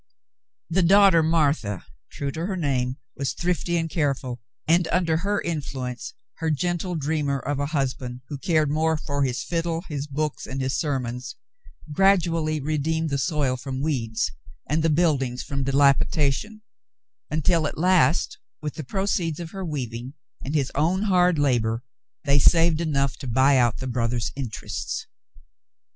The daughter Martha, true to her name, was thrifty and careful, and under her influence, her gentle dreamer of a husband, who cared more for his fiddle, his books, and his sermons, gradually redeemed the soil from w^eeds and the buildings from dilapidation, until at last, with the proceeds of her weaving and his own hard labor, they saved enough to buy out the brothers' interests.